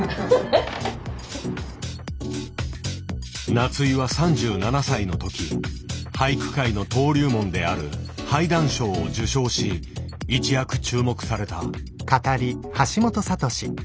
夏井は３７歳の時俳句界の登竜門である俳壇賞を受賞し一躍注目された。